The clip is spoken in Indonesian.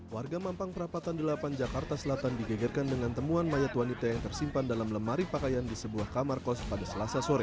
warga mampang perapatan delapan jakarta selatan digegerkan dengan temuan mayat wanita yang tersimpan dalam lemari pakaian di sebuah kamar kos pada selasa sore